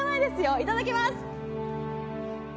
いただきます。